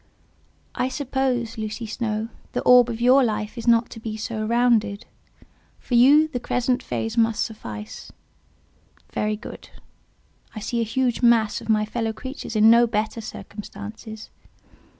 I suppose, Lucy Snowe, the orb of your life is not to be so rounded: for you, the crescent phase must suffice. Very good. I see a huge mass of my fellow creatures in no better circumstances.